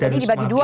jadi dibagi dua